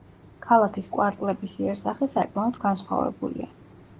ქალაქის კვარტლების იერსახე საკმაოდ განსხვავებულია.